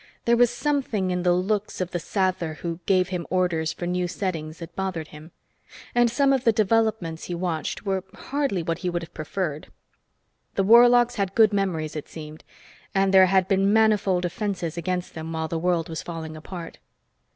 There was something in the looks of the Sather who gave him orders for new settings that bothered him. And some of the developments he watched were hardly what he would have preferred. The warlocks had good memories, it seemed, and there had been manifold offenses against them while the world was falling apart.